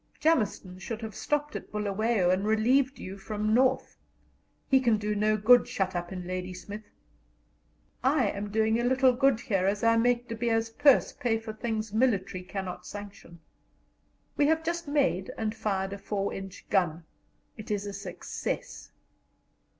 Jameson should have stopped at Bulawayo and relieved you from North. He can do no good shut up in Ladysmith[.] I am doing a little good here as I make De Beers purse pay for things military cannot sanction[.] We have just made and fired a 4 inch gun, it is a success.